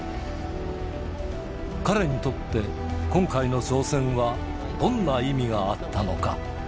彼にとって今回の挑戦はどんな意味があったのか。